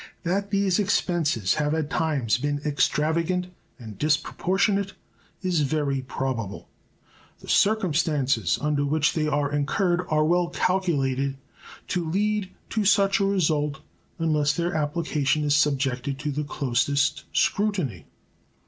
That these expenses have at times been extravagant and disproportionate is very probable. The circumstances under which they are incurred are well calculated to lead to such a result unless their application is subjected to the closest scrutiny.